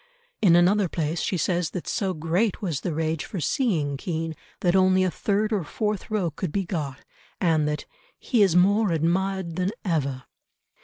In another place she says that so great was the rage for seeing Kean that only a third or fourth row could be got, and that "he is more admired than ever."